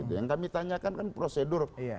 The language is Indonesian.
yang kami tanyakan kan prosedur